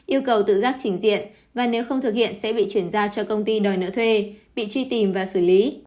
yêu cầu tự giác chỉnh diện và nếu không thực hiện sẽ bị chuyển giao cho công ty đòi nợ thuê bị truy tìm và xử lý